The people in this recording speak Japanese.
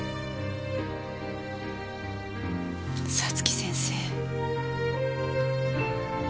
早月先生。